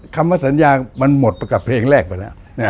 คำว่าสัญญามันหมดไปกับเพลงแรกไปแล้ว